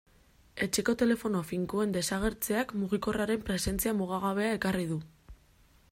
Etxeko telefono finkoen desagertzeak mugikorraren presentzia mugagabea ekarri du.